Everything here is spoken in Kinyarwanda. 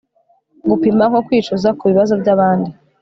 Gupima nko kwicuza kubibazo byabandi